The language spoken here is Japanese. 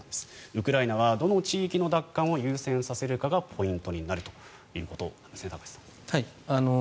ウクライナはどの地域の奪還を優先させるかがポイントになるということですね高橋さん。